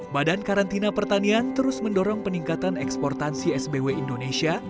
badan karantina pertanian terus mendorong peningkatan eksportan csbw indonesia